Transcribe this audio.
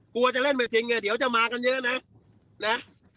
กลัวจะเล่นไปจริงเดี๋ยวจะมากันเยอะนะ